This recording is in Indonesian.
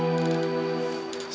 kamu pasti belum makan